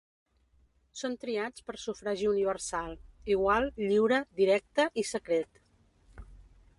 Són triats per sufragi universal, igual, lliure, directe i secret.